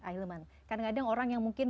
ahilman kadang kadang orang yang mungkin